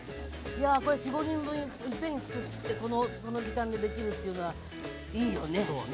これ４５人分いっぺんに作ってこの時間でできるっていうのはいいよね。